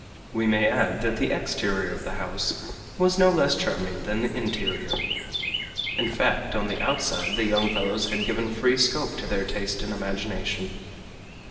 We may add that the exterior of the house was no less charming than the interior. In fact, on the outside the young fellows had given free scope to their taste and imagination.